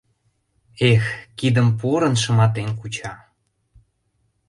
Эх, кидым порын, шыматен куча!